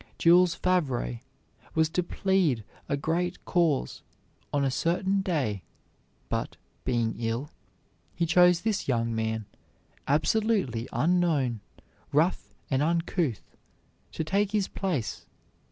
Jules Favre was to plead a great cause on a certain day; but, being ill, he chose this young man, absolutely unknown, rough and uncouth, to take his place.